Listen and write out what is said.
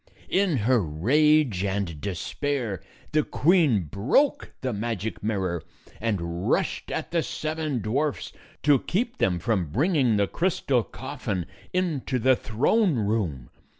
In her rage and despair, the queen broke the magic mirror and rushed at the seven dwarfs to keep them from bringing the crystal coffin into the throne room.